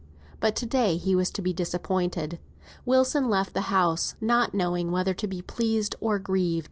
But to day he was to be disappointed. Wilson left the house, not knowing whether to be pleased or grieved.